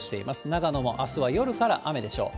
長野もあすは夜から雨でしょう。